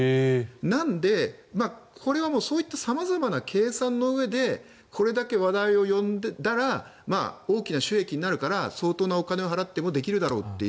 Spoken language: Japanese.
なので、これは様々な計算のうえでこれだけ話題を呼んだら大きな収益になるから相当なお金を払ってもできるだろうという。